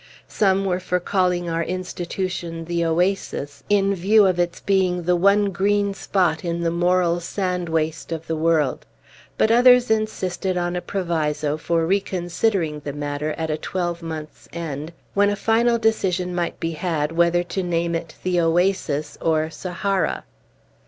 Some were for calling our institution "The Oasis," in view of its being the one green spot in the moral sand waste of the world; but others insisted on a proviso for reconsidering the matter at a twelvemonths' end, when a final decision might be had, whether to name it "The Oasis" or "Sahara."